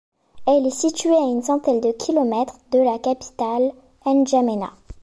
Elle est située à une centaine de kilomètre de la capitale N'djamena.